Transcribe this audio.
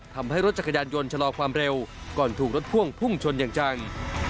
ทำให้รถจักรยานยนต์ชะลอความเร็วก่อนถูกรถพ่วงพุ่งชนอย่างจัง